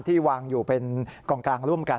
ที่วางอยู่เป็นกองกลางร่วมกัน